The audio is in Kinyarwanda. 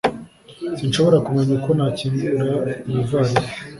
sinshobora kumenya uko nakingura iyivalisi